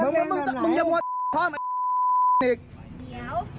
มึงจะเล่นกันไหน